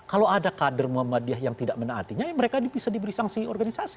kalau ada kader muhammadiyah yang tidak menaatinya ya mereka bisa diberi sanksi organisasi